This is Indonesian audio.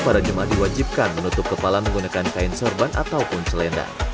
para jemaah diwajibkan menutup kepala menggunakan kain sorban ataupun selendang